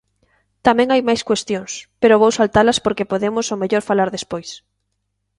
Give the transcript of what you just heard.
Tamén hai máis cuestións, pero vou saltalas porque podemos ao mellor falar despois.